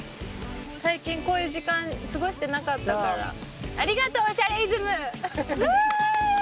最近こういう時間過ごしてなかったからありがとう『おしゃれイズム』。